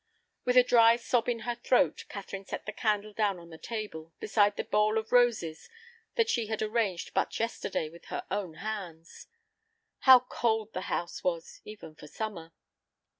With a dry sob in the throat, Catherine set the candle down on the table, beside the bowl of roses that she had arranged but yesterday with her own hands. How cold the house was, even for summer!